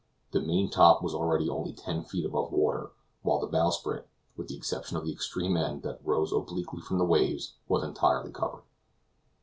The maintop was already only ten feet above water, while the bowsprit, with the exception of the extreme end, that rose obliquely from the waves, was entirely covered.